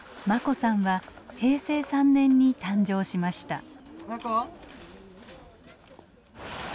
眞子さんは平成３年に誕生しました。